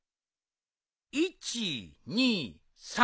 １２３。